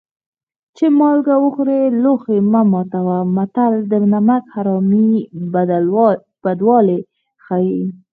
چې مالګه وخورې لوښی مه ماتوه متل د نمک حرامۍ بدوالی ښيي